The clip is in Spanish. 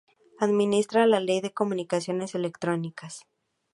Administra la "Ley de Comunicaciones Electrónicas".